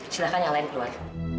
silahkan yang lain keluar